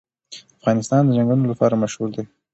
افغانستان د چنګلونه لپاره مشهور دی.